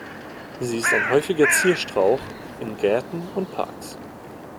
Sie ist ein häufiger Zierstrauch in Gärten und Parks.